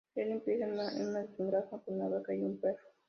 El empieza en su granja con una vaca y un perro.